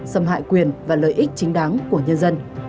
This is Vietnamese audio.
xâm hại quyền và lợi ích chính đáng của nhân dân